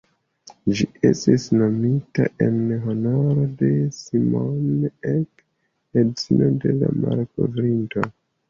Ĝi estis nomita en honoro de "Simone Ek", edzino de la malkovrinto.